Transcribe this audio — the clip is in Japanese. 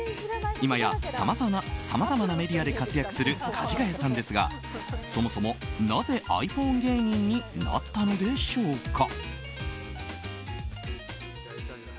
今や、さまざまなメディアで活躍するかじがやさんですがそもそも、なぜｉＰｈｏｎｅ芸人になったのでしょうか。